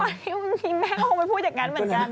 ตอนนี้แม่เขาออกไปพูดจากกันเหมือนกัน